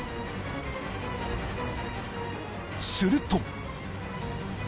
［すると］